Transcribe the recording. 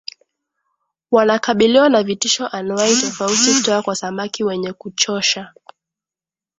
Wanakabiliwa na vitisho anuwai tofauti kutoka kwa samaki wenye kuchosha